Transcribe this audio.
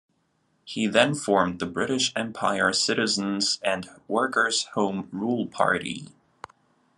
He then formed the British Empire Citizens' and Workers' Home Rule Party.